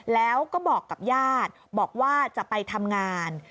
แล้วก็บอกกับญาติบอกว่าจะไปทำงาน